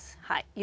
はい。